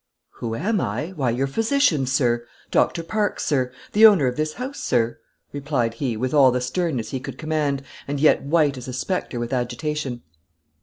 "Who am I? Why, your physician, sir; Doctor Parkes, sir; the owner of this house, sir," replied he, with all the sternness he could command, and yet white as a specter with agitation.